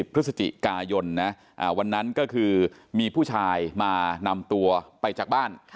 พฤศจิกายนนะวันนั้นก็คือมีผู้ชายมานำตัวไปจากบ้าน